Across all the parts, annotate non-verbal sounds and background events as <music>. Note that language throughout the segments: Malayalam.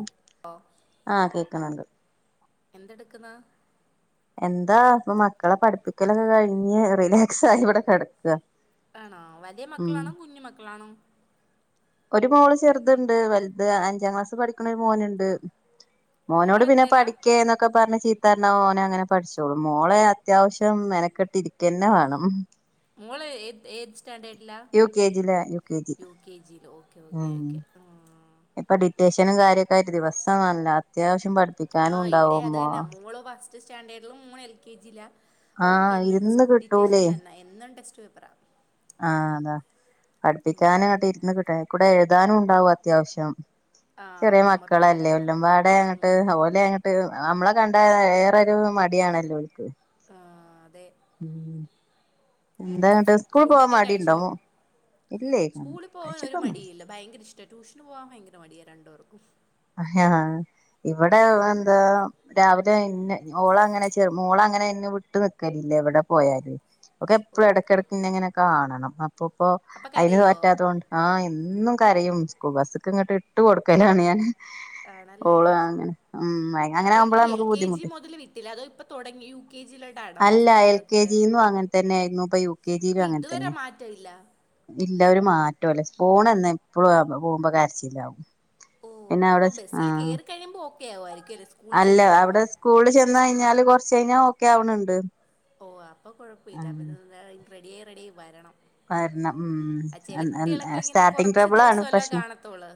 ഉം ഓഹ് ആഹ് കേക്ക്ണുണ്ട്‌ എന്തെട്ക്ക്ന്നാ എന്താ പ്പം മക്കളെ പഠിപ്പിക്കലൊക്കെ കഴിഞ്ഞ് റിലേ ക്സായിവെടെ കെട്ക്കാ ആണോ വലിയ ഉം മക്കളാണോ കുഞ്ഞു മക്കളാണോ? ഒരു മോള് ചെറ്ത്ണ്ട് വെൽത് അഞ്ചാ ക്ലാസ്സിൽ പഠിക്ക്ണൊര് മോന്ണ്ട് മോനോട് മോള് പിന്നെ എത്രയിലാ പഠിക്കേന്നൊ ക്കെ പറ്ഞ്ഞ് ചീത്തറ്ഞ്ഞാ ഓനങ്ങനെ പഠ്ച്ചോളും മോളെ അത്യാവ്ശ്യം മെന്ക്കെട്ടിര്ക്കെന്നെ വേണം മോള് ഏത് ഏത് സ്റ്റാൻഡേഡിലാ യു കെ ജില കെ ജി യു കെ ജീൽ ഓക്കെ ഓക്കെ ഓക്കെ ആഹ് ഇപ്പം ഡിറ്റേഷനും കാര്യൊക്കായിട്ട് ദിവസം വേണല്ലോ അത്യാവ്ശ്യം പഠ്പ്പി ആഹ് ഇവിടെം അതെന്നെ മോള് ഫസ് സ്റ്റ് സ്റ്റാൻഡേഡിലും മോളെൽ കെ ജീ ലാ മോക്ക് ആഹ് എന്നും ഡിസ് ഇരുന്ന് ഡിറ്റേഷൻ കിട്ടൂലേ തന്നെ എന്നും ടെസ്റ്റ് പേപ്പറാ ആഹ് അതാ ഉം. പഠിപ്പിക്കാനങ്ങട്ട് ഇര്ന്ന് കിട്ടണം അയ്ക്കൂടെ എഴുതാനൂണ്ടാവും അത്യാവശ്യം ആ ചെറ്യേ ഹോംവർക്കൊക്കെ മക്കളെല്ലേ കാണും എല്ലൊമ്പാടെങ്ങട്ട് ഉം. ഓലെ ട്ട് നമ്മളെ കണ്ടാ ഏറൊരു മട്യാണല്ലോൽക്ക് ആഹ് അതെ ഉം എന്താ ഫുഡൊക്കെ കഴിച്ചോ ഇല്ലേ സ്കൂളിൽ പോവാൻ ഒരു കഴിച്ചിട്ടൊന്നുല്ല മടീല്ല ഭയ്ങ്കര ഇഷ് ടാ ട്യൂഷന് പോവാൻ ഭയ്ങ്കര മടിയാ രണ്ട്പേർക്കും ആഹ് ഇവിടെ എന്താ രാവിലെ ഇഞ്ഞെ ഓളങ്ങനെ ചെറ് മോളങ്ങനെ ഇഞ്ഞെ വിട്ട് നിക്കലില്ല എവിടെ പോയാലോയ് ഓക്കെപ്പളും ഓക്കെ എട്ക്കെട്ക്കിഞ്ഞങ്ങനെ കാണണം അപ്പപ്പോ അപ്പം അയ്ന് കരയോ പറ്റാത്തോണ്ട് ആഹ് എന്നും കരയും സ്കൂൾ ബസ്സ്ക്ക്ങ്ങട്ട് ഇട്ട്കൊട്ക്കലാണ് ഞാന് ആണല്ലേ ഉം അങ്ങനെ അപ്പോ ഈ ആകുമ്പളാ എൽ നമുക്ക് കെ ജി ബുദ്ധിമുട്ട് മുതല് വിട്ടിലാ അതോ ഇപ്പം തൊടങ്ങി യു കെ ജിയിലോട്ടാണോ അല്ല ഫസ്റ്റ് എൽ കെ ചേർത്തത് ജിന്നും അങ്ങനെ തന്നെ ആയിരുന്നു ഇപ്പൊ യു കെ ജിയിലും അപ്പം അങ്ങനെ ഇതുവരെ തന്നെ മാ റ്റവില്ല ഇല്ല ഒര് മാറ്റോല്ല പോണെന്ന് എപ്പളും പോകുമ്പോ കരച്ചിലാവും ഓഹ് പിന്നെ അവിടെ അപ്പം ആ ബസ്സിൽ കേറി കഴിയുമ്പോ ഓക്കെയാവായിരിക്കും അല്ലേ സ്കൂളിൽ അല്ല ചെന്ന് അവിടെ കഴിയുമ്പം സ്കൂളിൽ ചെന്ന് കഴിഞ്ഞാല് കൊറ്ച്ചഴ്ഞ്ഞാൽ ഓക്കെ ആവ്ണുണ്ട് ഓഹ് അപ്പോ കൊഴപ്പല്ല പിന്നെ റെഡിയായി റെഡിയായി വരണം വര്ണം ഉം ആ ചില എ-എ കുട്ടികളൊക്കെ ഇങ്ങനെ സ്റ്റാർട്ടിങ് കുറച്ച് ട്രബിളാണ് ദിവസമല്ലേ പ്രെശ്നം കാണത്തുള്ളൂ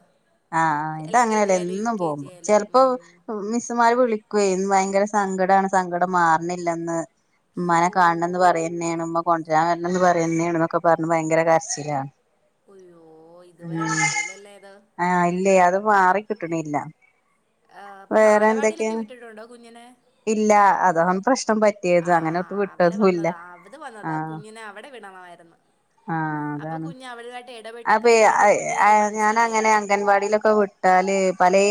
ആഹ് എൽ കെ ജി ഇതങ്ങനെല്ല ആയാലും യു എന്നും കെ ജി പോകുമ്പോ ആയാലും ഉം. ചെലപ്പം മിസ്സ്മാര് വിളിക്കുവേ ഭയ്ങ്കര സങ്കടാണ് സങ്കടം മാറ്ണില്ലെന്ന് മ്മാനെ ഓ കാണണംന്ന് പറയെഞേണ് മ്മ കൊണ്ടെരാൻ വെര്ണെംന്ന് പറയെഞ്ഞേണ്ന്നൊക്കെ പറ്ഞ്ഞ ഭയങ്കര കര്ച്ചിലാ ഉയ്യോ ഇതുവരെ മാറിയില്ലല്ലേത് ആഹ് ഇല്ലേ അത് മാറിക്കിട്ട്ണ്ല്ല ആഹ് അപ്പോ ബാലവാടിയിലൊക്കെ വിട്ടിട്ടുണ്ടോ കുഞ്ഞിനെ ഇല്ല അതാണ് പ്രശ്നം പറ്റിയത് അങ്ങനെട്ട് ആഹ് അവിടെ വിട്ടതും ഇല്ല വന്നതാ അവിടെ വന്നതാ ആ ആഹ് കുഞ്ഞിനെ അവിടെ വിടണമായി ര്ന്ന് അപ്പോ കുഞ്ഞ് അവര്ടേതായ്ട്ട് എടപെട്ട് <unintelligible> ഞാനങ്ങെനാ ഗൻവാടിയിലൊക്കെ വിട്ടാല് പലേ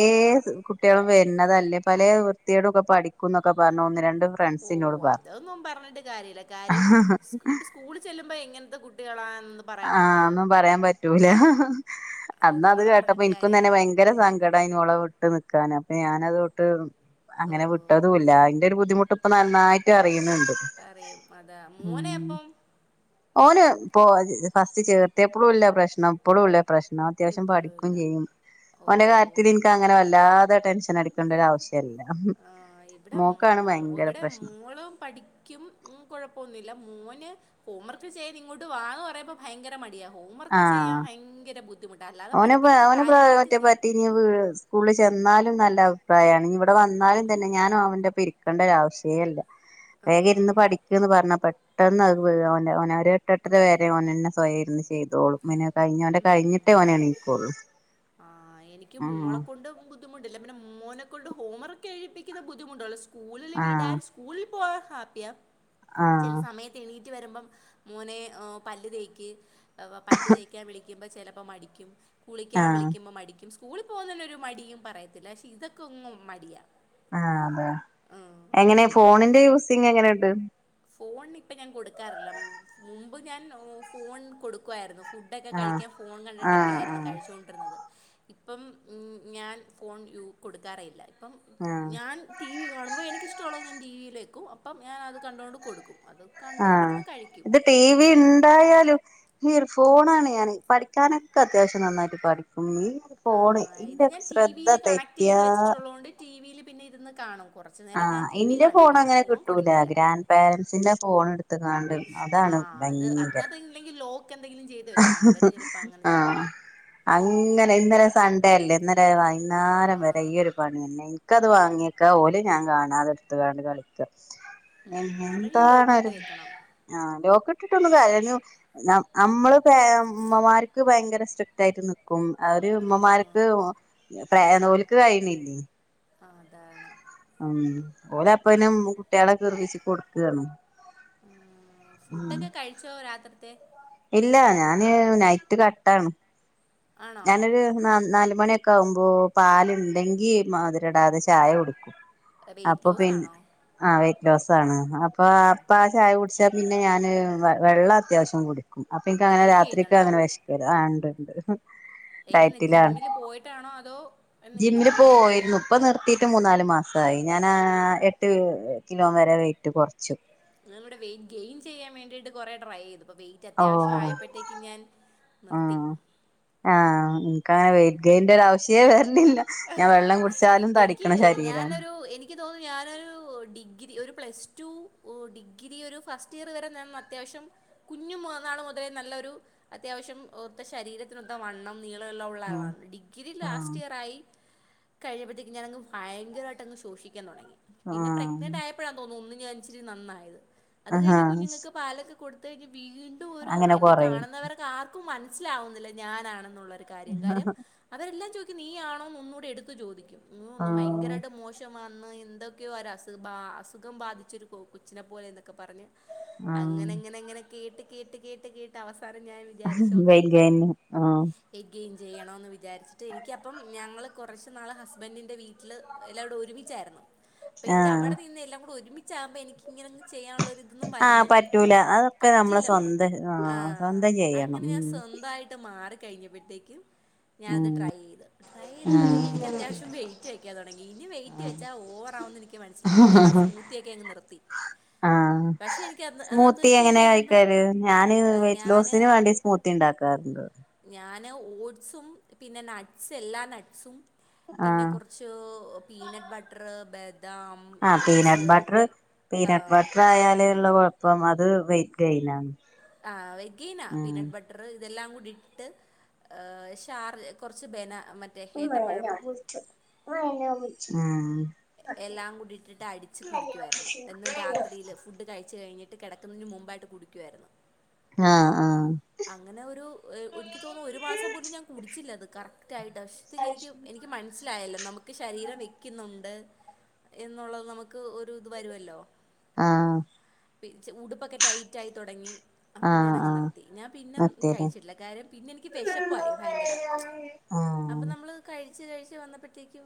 കുട്ട്യാളും വെര്ണതെല്ലേ പലേ ത്യേടൊക്കെ പഠിക്കുന്നൊക്കെ പറ്ഞ്ഞ് ഒന്ന് രണ്ട് ഓഹ് ഫ്രണ്ട്സിനോട് പറഞ്ഞു അതൊന്നും പറഞ്ഞിട്ട് കാര്യല്ല കാര്യം സ്കൂ ഇപം സ്‌ കൂളിൽ ചെല്ലുമ്പോ എങ്ങനത്ത കുട്ടികളാ എന്നും ആഹ് ഒന്നും പറ്യാൻ പറ്റൂല അത് അന്നത് നമ്മൾ കേട്ടപ്പോ പറഞ്ഞിട്ട് ഇന്ക്കുംതെന്നെ കാര്യമില്ല ഭയ് ങ്കര സങ്കടേനു ഓളെ വിട്ട് നിക്കാന് അപ്പൊ ഞാനതൊട്ട് അങ്ങനെ വി ഓ ട്ടതൂല്ല അയ്ന്റൊരു ബുദ്ധിമുട്ട്പ്പം നന്നായിട്ട് അറിയ്ന്ന്‌ണ്ട് പറയും അതാ മോനെയപ്പം ഓന് ഇപ്പം ഫസ്റ്റ് ചേർത്യപ്പോളും ഇല്ല്യാ പ്രശ്നം ഇപ്പോളും ഇല്ല്യാ പ്രശ്നം എന്നാ അത്യാവശ്യം ഇപ്പോഴും പഠിക്കും ഇല്ല ചെയ്യും. ഓന്റെ ഓ കാര്യത്തിൽ എനിക്ക് അങ്ങനെ വല്ലാതെ ടെൻഷൻ അടിക്കേണ്ട ഒരു ആവശ്യം ഇല്ലാം ഹ് ആഹ് ഇവിടെ മൊ ഇവിടെ പ്രശ്നം മോളും പഠിക്കും. ഉം കുഴപ്പമൊന്നുല്ല്യാ മോന് ഹോം വർക്ക് ചെയാൻ ഇങ്ങോട്ട് വാ പറയുമ്പോൾ ഭയങ്കര മടിയാ ഹോം വർക്ക് ചെയ്യാ ഭയങ്കര ബുദ്ധിമുട്ടാണ് അല്ലാതെ ഒന പഠിപ്പിക്കുന്ന കാര്യങ്ങളൊക്കെ ഒനറ്റ ചെയ്യും പറ്റി <unintelligible> ഇീ സ്കൂളിൽ ചെന്നാലും നല്ല അഭിപ്രായണ് ഇവിടെ വന്നാലും തന്നെ ഞാനും അവന്റെ ഇരി ക്കണ്ട ഒരാവശ്യല്ല വേഗം ഇരുന്ന് ആഹ് പഠിക് ന്ന് പറഞ്ഞാൽ പെട്ടെന്ന് അത് അവ അവന ഒരു എട്ടെട്ടര വരെ ഓനന്നെ സ്വയം ഇരുന്ന് ചെയതോളൂ. മനെ കഴിഞ് ഓന്റെ കഴിഞ്ഞിട്ടേ ഓന് എണീക്കൊള്ളൂ ആഹ് എനിക്ക് മോളെ കൊണ്ടും ബു ബുദ്ധിമുട്ടില്ലെ പിന്നെ മോനെ കൊണ്ട് ഹോവർക്ക് എഴിപ്പിക്കുന്ന ബുദ്ധിമുട്ടുള്ള സ്കൂളില് ആഹ് വിടാൻ കൂളിൽ പോകൻ ഹാപ്പിയാ ആഹ് ചെലസമയത്ത്. എണീറ്റ് വരുമ്പം മോനെ ഏഹ് പല്ല് തേക്ക് പല്ല് തേക്കാൻ വിളിക്കുമ്പോൾ ചിലപ്പോൾ മടിക്കും കുളിക്കാൻ ആഹ് വിളിക്ക മടിക്കും സ്കൂളിൽ പോകുന്ന ഒരു മടിയും പറയത്തില്ല പക്ഷെ ഇതൊക്കെ ഒന്നും മടിയാ. അഹ് അതെ ഉം. എങ്ങനെ ഫോണിന്റെ യൂസിങ് എങ്ങനെണ്ട്. ഫോണിപ്പം ഞാൻ കൊടുക്കാറില്ല മുമ്പ് ഞാൻ ഫോൺ കൊടുക്കുവായിരുന്നു ഫുഡൊക്കെ ആഹ് കഴിക്കാൻ ഫോൺ ആഹ് കണ്ടിട്ടൊക്കെയിരുന്നു ആഹ് കഴിച്ചുകൊണ്ട് ഇരുന്നത് ഇപ്പം ഉം ഉം ഞാൻ ഫോൺ യൂ കൊടുക്കാറേല്ല്യാ ഇപ്പം ആഹ് ഞാൻ ടി വി കാണുമ്പോൾ എനിക്കഷ്ട്ടള്ളത് ഞാൻ ടി വിയിലേക്കും അപ്പം ഞാന അത് കണ്ടോണ്ട് കൊടുക്കും അത്. ആഹ് കണ്ടുകൊണ്ടിരുന്ന് കഴിക്കും ഇത് ടി വി അല്ല ഇണ്ടായാലും ഈ ഒരു ഫോണാണ് ഞാൻ പഠിക്കാനൊക്കെ അത്യാവശ്യനന്നായിട്ട് പഠിക്കും നീ ആഹ് ഇത് ഞാൻ ടിവിയിൽ കണക്ട്യ്ത് വെച്ചിട്ടുള്ളോണ്ട് ടിവിയിൽ പിന്നെ ഇരുന്ന് കാണും. കൊറച്ച് നേരക്കെ ആഹ് ഞൻ ടി വി കാണിക്കും ഫോൺ കൊടുക്കില്ല. പേരൻറ്സിന്റെ ഫോൺ എടുത്ത്ങ്ങാണ്ട്. ആ അതാണ് അത് ഭയങ്കരം അതിനകത്ത് ഇല്ലെങ്കിൽ ലോക്ക് എന്തെങ്കിലും ചെയ്ത് വെക്കണോ അവർ ചിലപ്പോൾ അങ്ങനെ ചെയ്യും ആഹ് അങ്ങനെ ഇന്നലെ സൺഡേല്ലേ ഇന്നേലേ വൈന്നേരം വരെ ഈ ആ ഒരു പണിന്നെ എനിക്കത് വാങ്ങിക്കാ ഓലെ ഞാൻ കാണാതെ എടുത്ത്ണ്ട് കളിക്ക്യ ഉം ഏഹ് അല്ലെങ്കിൽ ലോക്കിട്ട് എന്താണരു വെക്കണം ആഹ് ലോക്ക് ഇട്ടിട്ടൊന്ന് കരഞ്ഞു നം അമ്മള് അമ്മമാർക്ക് ഭയങ്കര സ്ട്രിക്ടായിട്ട് നി ക്കും അവര് ഉമ്മമാർക്ക് ആഹ് പ്ര നോൽക്ക് കഴിയിണ്ല്ല്യെ അതാണ്. ഉം ഓലെ അപ്പനും കുട്ടികളെ കെർവിച്ചി കൊടുക്കാണ് അഹ് ഉം ഫുഡൊക്കെ കഴിച്ചോ രാത്രിത്തെ ഇല്ല ഞാന് നൈറ്റ് കട്ടാണ് ആണോ ഞാനൊരു ന നാലുമണി ക്കാവുമ്പോ പാലുണ്ടെങ്കി മതിരടാതെ ചായടിക്കും വെയിറ്റ് അപ്പൊ ലോസ് പി ആണോ ആഹ് വെറ്റ് ലോസണ് അപ്പൊ അപ്പ ആഹ് ചായ കുടിച്ചാ പിന്നെ ഞാന് വെള്ളം അത്യാവശ്യം കുടി ക്കും അപ്പൊ എനിക്ക അങ്ങനെ ഡയറ്റ് രാത്രിക്കെ ചെയ്യുന്നുണ്ടോ അങ്ങനെ വെശകൂല ആഹ് ഇണ്ട് ഇണ്ട് എങ്ങനെ ഡയറ്റിലാണ് ജിമ്മിൽ പോയിട്ടാണോ അതോ എന്തെങ്കിലും ജിമ്മില് ഓൺലൈൻ പോയിരുന്നു വഴിയാണോ ഇപ്പ നിർ ത്തിട്ട് മൂന്നാല് മാസയി ഞാൻ എട്ട് കിലോ വരെ വെയിറ്റ് കൊർച്ചു ഞാൻ ഇവിടെ വെയ്റ്റ് ഗെയിൻ ചെയ്യാൻ വേണ്ടീട്ട് കുറെട്ടം ട്രൈ ചെയ്തു ഇപ്പം വെയറ്റ് ഓ അത്യാവശ്യം ആയപ്പോത്തേക്ക് ഞാൻ ആ നിർത്തി ഉം. ഒര് അവശ്യേ വരണ്ടില്ല ഞാൻ വെള്ളം കുടിച്ചാലും തടിക്കണ ശരീരാണ് എനിക്ക്തോന്നു ഞാനൊരു ഡിഗ്രി ഒരു പ്ലസ് ടു ഡിഗ്രി ഒരു ഫസ്റ്റ് ഇയർ വരെ നിന്ന് അത്യാവശ്യം. കുഞ്ഞുന്നാള് മുതൽ നല്ലൊരു അത്യാവശ്യം ഒത്ത ശരീരത്തിനൊത്ത വണ്ണം. നീളള്ള ഉള് ഉം ആളാണ് ഡിഗ്രി ആ ലാസ്റ്റ് ഇയറായി കഴിബോത്തേക്ക് ഞാനങ് ഭയങ്കരട്ടങ് ശോഷിക്കാൻ തൊടങ്ങി പിന്നെ പ്രെഗ്നെന്റ് ആഹ് ആയ അപ്പോഴാ തോന്നുന്നു ഒന്ന് ഞാൻ ഇപ്പഴാ തോന്ന് ഒന്ന് ഞാനിച്ചിരി നന്നായത് അത് ആഹാ കഴിഞ്ഞ് കുഞ്ഞുങ്ങൾക്ക് പാലൊക്കെ കൊടുത്ത് കഴിഞ്ഞ് വീ ണ്ടും ഒരു അങ്ങനെ എന്നെ കൊറയും കാണുന്നവർക്ക് ആർക്ക ക്കും മനസിലാവുന്നില്ല ഞാനാണെന്നുള്ളരു കാര്യം കാര്യം അവരെല്ലാം ചോദി നീ ആണോന്ന് ന്നൂടെ എടുത്ത് ചോദിക്കും ആഹ് ഭയങ്കരമായിട്ട് മോശ വന്ന് എന്തൊക്കെയോ ര സു പ അസുഖം ബാധിച്ചൊരു കൊച്ചിനെ പോലെ എന്നൊക്കെ പറഞ്ഞ് അങ്ങനെ ആഹ് എങ്ങനെ എങ്ങനെ കേട്ട് കേട്ട് കേട്ട് കേട്ട് അവസാനം ഞാൻ <unintelligible> ആഹ് എഗയിൻ ചെയ്യണമെന്ന് വിചാരിച്ചിട്ട് എനിക്കപ്പം ഞങ്ങൾ കുറച്ച് നാള് ഹസ്ബന്റിന്റെ വീട്ടില് എല്ലാരുടെ ഒരുമിച്ചായിരുന്നു അപ്പൊ എനിക്ക് ആഹ് അവിടെ നിന്ന് എല്ലാം കൂടെ ഒരുമി ച്ചാവുമ്പോ എനിക്ക് ഇങ്ങനൊന്നും ചെയ്യാനുള്ളൊരുത് ന്നും ആഹ് വരുന്നില്ല പറ്റൂല അതൊക്കെ നമ്മള് പറ്റില്ല നമുക്ക് സ്വന്തം ആ ആഹ് സ്വന്തം ചെയ്യണം അങ്ങനെ ഞ ഉം സ്വന്തായിട്ട് ട്ട് മാറിക്കഴിഞ്ഞപ്പോഴത്തേക്കും ഞാനത് ഉം ട്രൈ യ്ത് ട്രൈ ചെയ്ത അപ്പോഴത്തേക്ക് എനിക്കത്യാവശ്യം വെയിറ്റ് വെക്കാൻ തുടങ്ങി ഇനി വെയിറ്റ് വച്ചാ ഓവറാവുന്ന് എനിക്ക് മനസിലായപ്പോ ഞാനാ ആ സ്മൂത്തി ഒക്കെ അങ്ങ് നിർ ത്തി ആഹ് സ്മൂത്തി എങ്ങനെ ശേഷം എനിക്ക് കഴിക്കല് ഞാന് ഭയ- വെയറ്റ് ലോസിന് ഞാൻ വേണ്ടി സ്മൂത്തി ഉണ്ടാക്കാറുണ്ട്. ഞാന് ഓട്സും പിന്നെ ന്ട്സ് എല്ലാ നട്സും പിന്നെ ആഹ് കുറ ചോ പീനട്ട് ബട്ടർ, ബദാം ആഹ് പീനട്ട് നട്ട്സ് ബട്ടർ പീനട്ട് ആഹ് ബട്ടർ ആയാല്ള്ളകുഴപ്പം അത് വെറ്റ് ഗെയിൻ ആ ആ വെഗ്ഗീന പീനട്ട് ബട്ടർ ർ ഇതെല്ലാ കൂടി ഇട്ട് ഷാറ് കുറച്ച് ബനാ മറ്റ് <unintelligible> ആഹ് എല്ലാം കൂടി ഇട്ടിട്ട് അടിച്ച് കുടിക്കുവാരുന്നു എന്നും രാത്രിയിൽ ഫുഡ് കഴിച്ചു കഴിഞ്ഞിട്ട് ട്ട് കിടക്കുന്നതിന് മുമ്പായിട്ട് കുടിക്കുവായിരുന്നു. ആഹ് ആഹ് അങ്ങനെ ഒരു എനിക്ക് തോന്നുന്നു ഒരു മാസം പോലും ഞാൻ കുടിച്ചില്ല അത് കാ <unintelligible> എനിക്ക് എനിക്ക് മനസ്സിലായല്ലോ നമുക്ക് ശരീരം വെക്കുന്നുണ്ട്. എന്നുള്ളത് നമുക്ക് ഒരു ഇത് വരുവല്ലോ ആഹ് പി ച് ഉടുപ്പൊക്കെ ടൈറ്റ് ആയി തുടങ്ങി അപ്പൊ ആഹ് ഞാനങ്ങ് ആഹ് നിർത്ത് ഞാൻ പിന്നെ അതെ കഴിച്ചിട്ടില്ല കാര്യം പിന്നെ എനിക്ക് വെശപ്പായി ഭയങ്കര അപ്പം ആഹ് നമ്മ് നമ്മൾ കഴിച്ച് കഴിച്ച് വന്നപ്പോഴത്തേക്കും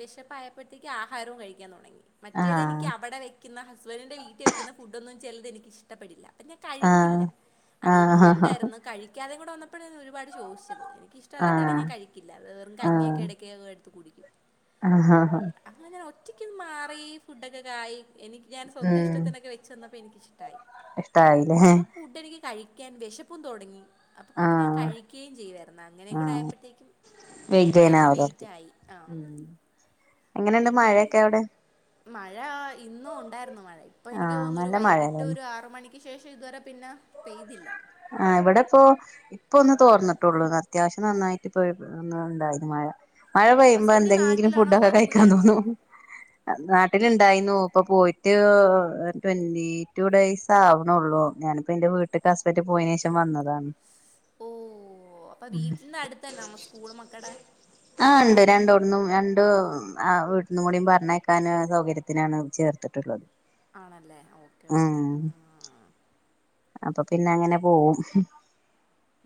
വിശപ്പായപ്പോഴത്തേക്കും ആഹാരവും കഴിക്കാൻ തുടങ്ങി. മറ്റേത് എനിക്ക് ആഹ് അവിടെ വയ്ക്കുന്ന ഹസ്ബൻഡിന്റെ വീട്ടിൽ വെക്കുന്ന ഫുഡൊന്നും ചിലത് എനിക്കിഷ് ട്ടപ്പെടില്ല അപ്പം ഞാൻ കഴിക്കില്ല. ആഹ് അതും ആഹ് കൂടെ ആഹ് ഉണ്ടായിരുന്നു കഴിക്കാതെ കൂടെ വന്നപ്പോഴാ ഞാ ഒരുപാട് ശോഷിച്ചത് എനിക്ക്ഷ്ടല്ലാത്തെ ആണെങ്കി ഞാൻ ആഹ് കഴി ക്കില്ല അത് വെറും കഞ്ഞിയൊക്കെ ഇടക്ക്ക്കെ എടുത്ത് കുടിക്കും. ആഹ് ഹാ അങ്ങനെ ഒറ്റക്ക് മാറി ഫുഡൊക്കെ കായി എനിക്ക് ഞാൻ സ്വന്തം ഉം ഇഷ്ടത്തിനൊക്കെ വെക് ചെന്നപ്പോ എനിക്കിഷ്ടായി ഇഷ്ടായില്ലേ അപ്പൊ ഫുഡ് എനിക്ക് കഴിക്കാൻ വിശപ്പും തുടങ്ങി അപ്പൊ പിന്നെ ഞാൻ ആഹ് കഴികകയും ചെയ്യുവാരുന്നു അങ്ങനേം കൂടെ ആയപ്പോഴത്തേക്കും അത്യാവശ്യം <unintelligible> വെയിറ്റായി ആ എങ്ങനെയുണ്ട് പിന്നിപ്പം മഴയൊക്കെ അവിടെ? മഴ ഇന്നും ഉണ്ടായിരുന്നു മഴ ഇപ്പൊ എനിക്ക് ആഹ് തോന്നുന്നു ഒരു നല്ല വൈകിട്ട് മഴയല്ലേന്ന് ഒരു ആറ് മണി ശേഷം ഇതുവരെ പിന്നെ പെയ്തില്ല. ആ ഇവിടെ ഇപ്പോ ഇപ്പൊ ഒന്ന് ഉം തോർന്ന് ട്ടൂള്ളു അത്യാവശ്യം നന്നായിട്ട് പെയ് <unintelligible> ണ്ടായിരുന്നു മഴ. മഴ പെയ്യുമ്പോ ഹസ്ബൻഡ് എന്തെങ്കിലും നാട്ടിലാണോ ഫുഡൊക്കെ അതോ കഴിക്കാൻ ദൂരെയാണോ തോന്നു നാട്ടില് ഇണ്ടായിന്നു ഇപ്പൊ പോയിട്ട് ട്വന്റി ടു ഡേയ്സ് താകുന്നേ ഉള്ളൂ ഞാനിപ്പ എന്റെ വീട്ടി ഹസ്ബന്റ് പോയന് ശേഷം വന്നതാണ്. ഓ അപ്പൊ ഉം വീട്ടിന്റെ അടുത്ത്ന്നെ നമ്മ സ്കൂള് മക്കടെ ആ ഉണ്ട് രണ്ടോടന്നും രണ്ട് അ വീട്ടിന്നും കൂടി പറഞ്ഞേക്കാന് സൗകര്യ ത്തിനാണ് ചേർത്തിട്ടുള്ളത് ആണല്ലേ ഓക്കേ ഉം ഓക്കേ അപ്പൊ പിന്നെ അങ്ങനെ പോകവും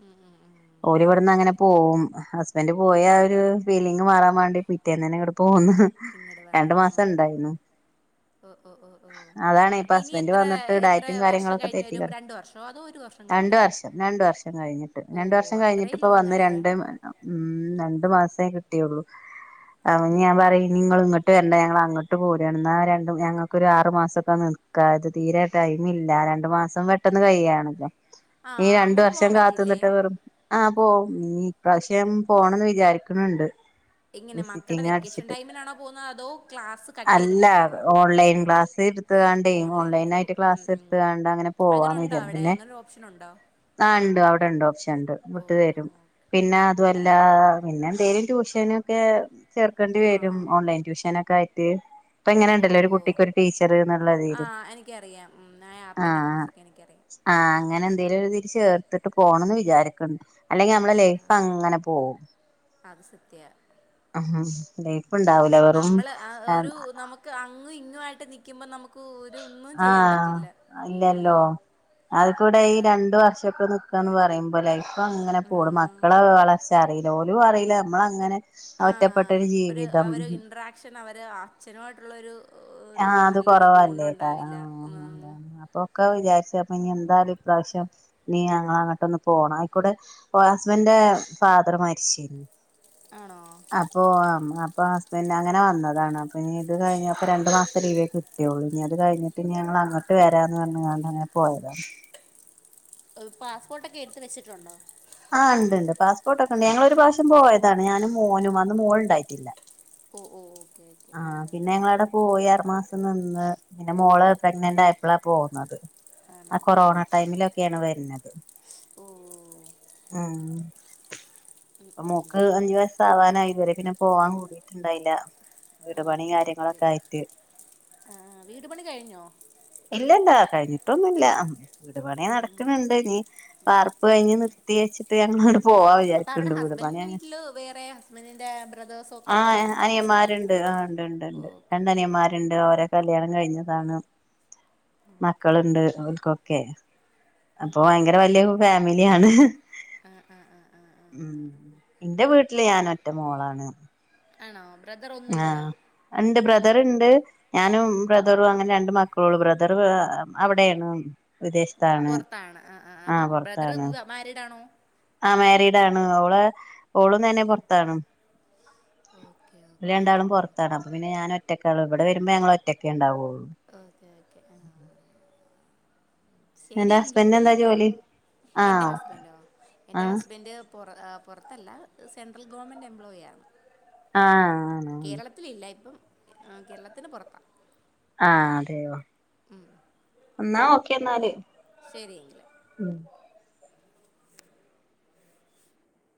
ഉം ഉം ഉം ഒരു ഓവിടുന്ന് അങ്ങനെ പോകവും ഹസ്ബൻഡ് പോയിയ ആ ഒരു ഫീലിംഗ മാറാൻ വേണ്ടി പിറ്റേന്ന് തന്നെ ഇവിടെ പോകന്ന് ഇങ്ങോട്ട വന്ന ആ ഓക്കേ ഓക്കേ ഓ ഓ ഓ അതാണ് അപ്പൊ ഇപ്പൊ ഇനി ഹസ്ബൻഡ് എത്ര വന്നിട്ട് എത്ര ഡയറ്റും വർഷം കഴിഞ്ഞഞ് വരും രണ്ട വർഷം അപ്പോ അതോ ഒരു വഷം രണ്ട വർഷം രണ്ട വർഷം കഴിഞ്ഞിട്ട് രണ്ട വർഷം അത്രയും കഴിഞ്ഞിട്ടിപ്പ ലോങ് വന്ന് അല്ലേ രണ്ട ഉം രണ്ടു മാസമേ കിട്ടിയുള്ളൂ അ ഓ ഞാ പറയും നിങ്ങ ഇങ്ങട്ട് വരണ്ട ഞങ്ങ അങ്ങട്ട് പോരു എന്നാ രണ്ടും ഞങ്ങൾക്ക ഒരു ആറ മാസൊക്കെ നിൽക്ക ഇത് തീരെ ടൈമില്ല രണ്ട മാസം വ പെട്ടെന്ന് കയാണല്ലോ ആ നീ രണ്ട അങ്ങോട്ട് വർഷം പോവാൻ പറ്റില്ലേ കാത്തുന്നിട്ട വെറും ആഹ പോ ഇ ഇപ്രാവശ്യം പോണംന്ന് വിചാരിക്കണണ്ട് എങ്ങനെ മക്കളുടെ വിസിറ്റിംഗ വെക്കേഷൻ അടിച്ചിട്ട് ടൈമിനാണോ പോകുന്നത് അതോ ക്ലാസ് കട്ട് അല്ല ചെയ്തിട്ട് പോവോ ഓൺലൈൻ ക്ലാസ്സ് എത്താണ്ട ഓൺലൈൻ എടുക്കും ആയിട്ട് ഉം ക്ലാസ് ഉം എത്തുകാണ്ട് അങ്ങനെ പോവാന്ന് ഉണ്ടോ വിചാം അവിടെ പിന്നെ അങ്ങനൊരു ഓപ്ഷൻ ഉണ്ടോ ആഹ ഉണ്ട് അവിടെണ്ട് ഓപ്ഷൻ ഉണ്ട് ഓ വിട്ട് തരും പിന്നെ ഓ അതുമല്ല ആ പിന്നെ എന്തേലും ട്യൂഷന ഒക്കെ ചേർക്കേണ്ടി വരും ഓൺലൈൻ ട്യൂഷന ഒക്കെ ആയിട്ട് ഇപ്പൊ എങ്ങനെ ഓ ഉണ്ടല്ലോ ഒരു ഓ കുട്ടിക്ക് ഒരു ടീച്ചർ ആ എന്നുള്ളതില് എനിക്കറിയാം ഉ ആ ആപ്പിനെ കുറിച്ചൊക്കെ എനിക്കറിയാം ഉം ആഹ് അങ്ങനെ എന്തേലും ഒരു തിരിച്ച് ചേർത്തിട്ട് പോണംന്ന് വിചാരിക്കക്കണ്ട് അല്ലെങ്കി നമ്മള ലൈഫ് അങ്ങനെ പോകവും അത് സത്യ ഉ ഇ ഇപ്പ ഇണ്ടാവൂല വെറും നമ്മള് ആ ഒരു നമുക്ക് അങ്ങും ഇങ്ങു ആയിട്ട് നിക്കുമ്പോ നമുക്ക് ഒ ഒന്നും ചെയ്യാൻ പറ്റില്ല ഉ അത് കൂടെ ഈ രണ്ടു വർഷൊക്കെ ന്ന് പറയുമ്പോ ലൈഫ അങ്ങനെ പോടും ഉം മക്കളെ വളർച്ച അറിയില്ല ഓലും അറിയില്ല നമ്മള അങ്ങനെ ആ ഒരുര് അവര് ഇന്റ്രാക്ഷൻ അവര് അച്ഛനുമായിട്ടുള്ള ഒരു ആഹ അത് നല്ലൊരു ബോണ്ട് കൊറവല്ലേ ആ ഉണ്ടാവില്ല ഉം അത പൊക്കാ വിചാരിച്ചപ്പ ഇനി എന്തായാലും ഇപ്രാവശ്യം നീ ഞങ്ങ അങ്ങോട്ട ഒന്ന് പോണം ആയിക്കൂടെ ഹസ്ബൻന്റെ ഫാദർ മരിച്ചേ ആണോ അപ്പോൊ അപ്പൊ ഹസ്ബൻഡ് അങ്ങനെ വന്നതാണ് അപ്പൊ ഇനി ഇത് കഴിഞ്ഞപ്പോ ര ര മാസം ലീവ് കിട്ടിയുള്ളൂ ഇനി അത് കഴിഞ്ഞിട്ട് ഞങ്ങ അങ്ങോട്ട് വരാന്ന് പറഞ്ഞാണ്ട്ങ്ങനെ പോയത ഒരു പാസ്പോർട്ട് ഒക്കെ എടുത്ത് വെച്ചിട്ടുണ്ടോ ആ് ഉണ്ട് പാസ്പോർട്ട ഒക്കെ ഉണ്ട് ഞങ്ങൊ ഒരു പ്രാവശം പോയതാണ് ഞാന് മോനും അന്ന് മോള ഉണ്ടായിട്ടില്ല ഓ ഓ ഓക്കെ ഓക്കെ ആഹ പിന്നെ ആഹ് ഞങ്ങള അവിടെ പോയി അറു മാസം നിന്ന് പിന്നെ മോള് പ്രഗ്നന്റ് ആയപ്പോളാ പോകുന്നത് ആണോ ആ ഓക്കെ കൊറോണ ഓക്കെ ആഹ് ടൈമിലൊക്കെയാണ് വരുന്നത് ഓ ഉം ഉം അപ്പ ഉം മോക്ക് അഞ്ചു വ വാനായി ഇതുവരെ പിന്നെ പോവാൻ കൂടിയിട്ടുണ്ടായില്ല വീട് പണി ഓക്കെ കാര്യങ്ങളൊക്കെ ആയിട്ട് ആ വീട് പണി കഴിഞ്ഞോ ഇല്ലല്ലാ കഴിഞ്ഞിട്ടൊന്നുമല്ല വീടുപണ നടക്കുന്നുണ്ട് നീ പാർപ്പ് കഴിഞ് നിർത്തി വച്ചട്ട് ഞങ്ങ പോവാ അപ്പൊ അവിടെ വിചാരിക്കണ്ട് വീടെ പണെ ഹസ്ബൻഡിന്റെ വീട്ടില് വേറെ ഹസ്ബൻഡിന്റെ ബ്രദേഴ്സും ഒക്കെ ആഹ ആയിട്ടായിരുന്നു താമസിക്കുന്നെ അയ്യമാരുണ്ട് ആണ്ട് ഉണ്ട്ണ്ട് ഓക്കെ ഓക്കെ ഓക്കെ രണ്ടനിയന്മാരുണ്ട് അവഓരെ കല്യാണം കഴിഞ്ഞതാണ് ഓക്കെ മക്കളുണ്ട് ഓക്കെ അവക്കൊക്കെ അപ്പൊ ഭയങ്കര വലിയ ഫാമിലിയാണ് ആ ആ ആ ആ ആ ഉം എന്റെ വീട്ടില് ഞാൻ ഒറ്റ മോളാണ് ആണോ ബ്രദർ ഒന്നുമല്ല ആൻഡ് ബ്രദറ്ണ്ട് ഞാനും ബ്രദറും അങ്ങനെ രണ്ട് മക്കളൊള്ളു ബ്രദർ അവിടെയാണ് വിദേശത്താണ് പൊറത്താണ് ആഹ് ആഹ് അപ്പം ബ്രദറ് മാരിഡ് ആണോ ആഹ് മാരീഡണ് അവ ഓളും തന്നെ പൊറത്താണ് ഓക്കേ ഓക്കേ ആഹ് അപ്പ പിന്നെ ഞാൻ ഒറ്റക്കള്ളദ് ഇവിടെ വരുമ്പോ ഞങ്ങൾ ഒറ്റക്കെ ഇണ്ടാവൊള്ളൂ അതെ ഓക്കെ ഓക്കെ ആഹ് എന്റെ ശരിഎങ്കില് ഹസ്ബൻഡിന് എന്താ വിളിക്കാം ജോലി എന്റെ ആഹ് ഹസ്‌ബൻഡൊ എന്റെ ആഹ് ഹസ്ബന്ഡ് പൊറ പൊറത്തല്ല സെൻട്രൽ ഗവൺമെൻറ് എംപ്ലോയി ആയിരുന്നു ആഹ് ആണോ ത്തിലില്ല ഇപ്പം കേരളത്തിന് പൊറത്താ ആഹ് അതെയോ മ് എന്നാ ഓക്കെ ന്നാല് ശരിഎങ്കിൽ ഉം